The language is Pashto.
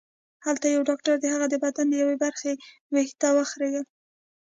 هلته یو ډاکټر د هغه د بدن د یوې برخې وېښته وخریل